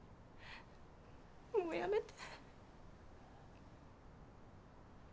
もうやめて。